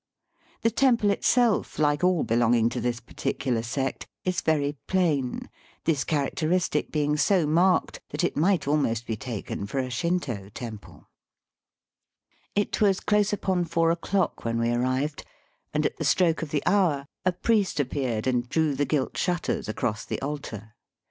The temple itself, like aU belonging to this particular sect, is very plain ; this characteristic being so marked that it might almost be taken for a Shinto temple. It was close upon four o'clock when we arrived, and at the stroke of the hour a priest Digitized by VjOOQIC TEMPLES AND WOBSHIPPEBS. 83 appeared and drew the gilt shutters across the altar.